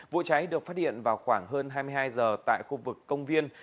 vụ cháy được phát hiện vào khoảng hơn hai mươi hai giờ tại khu vực công viên